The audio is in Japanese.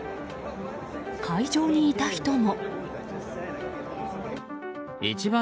会場にいた人も。